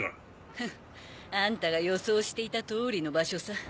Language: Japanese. フッあんたが予想していた通りの場所さ。